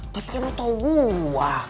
tapi lo tau gue